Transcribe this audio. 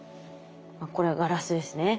あっこれガラスですね。